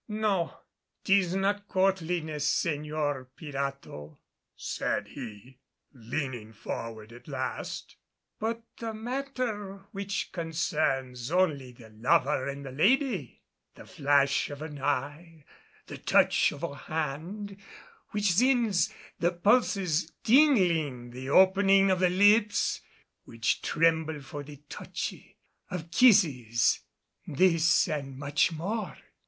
"No, 'tis not courtliness, Señor Pirato," said he, leaning forward at last, "but a matter which concerns only the lover and the lady the flash of an eye the touch of a hand which sends the pulses tingling; the opening of the lips which tremble for the touch of kisses this and much more."